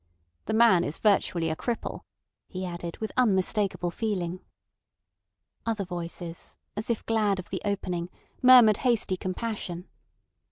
"The man is virtually a cripple," he added with unmistakable feeling. Other voices, as if glad of the opening, murmured hasty compassion.